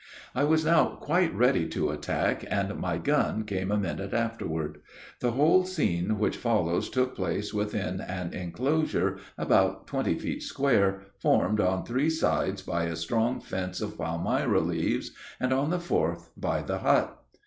I was now quite ready to attack, and my gun came a minute afterward. The whole scene which follows took place within an enclosure, about twenty feet square, formed, on three sides, by a strong fence of palmyra leaves, and on the fourth by the hut.